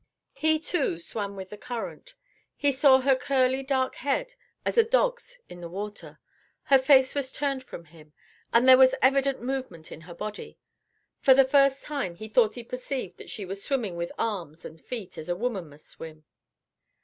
He, too, swam with the current. He saw her curly head dark as a dog's in the water; her face was turned from him, and there was evident movement in her body. For the first time he thought he perceived that she was swimming with arms and feet as a woman must swim.